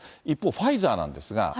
一方、ファイザーなんですが。